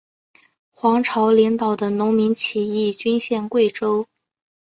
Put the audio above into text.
黄巢领导的农民起义军陷桂州。